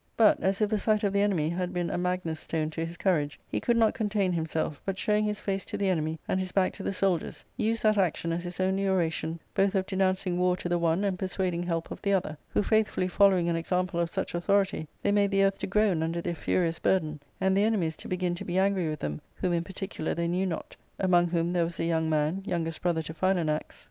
But, as if the sight of the enemy had been a magnes stone to his courage, he could not contain himself, but, showing h: face to the enemy and his back to the soldiers, used that action as his only oration both of denouncing war to the one and persuading help of the other, who faithfully following an example of such authority, they made the earth to groan under their furious burden, and the enemies to begin to be angry with them, whom in particular they knew not ; among whom there was a young man, youngest brother to Philanax, whose * Magnes stone — ^The magnet, its Greek form Mayvi};, so called from the coimtry it came from — Magnesia (Vossius).